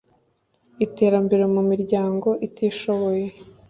iterambere mu miryango itishoboye